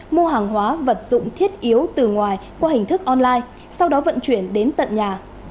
mua hàng hóa vật dụng thiết yếu từ ngoài qua hình thức online sau đó vận chuyển đến tận nhà